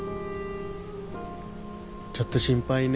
ちょっと心配ね。